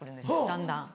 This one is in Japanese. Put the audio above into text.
だんだん。